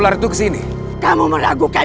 hal itu tidak bisa kuberasakan